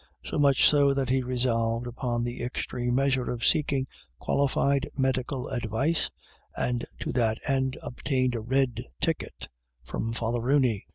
So much so that he resolved upon the. extreme measure of seeking qualified medical advice, and to that end obtained a " red ticket " from Father Rooney.